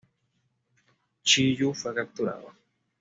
Chi You fue capturado.